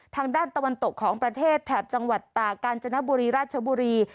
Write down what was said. ทางด้านตะวันตกของประเทศแถบจังหวัดตากาญจนบุรีราชบุรี